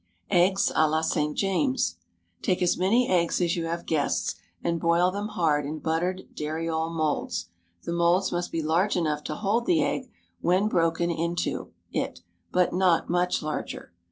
Eggs à la St. James. Take as many eggs as you have guests, and boil them hard in buttered dariole moulds; the moulds must be large enough to hold the egg when broken into it, but not much larger.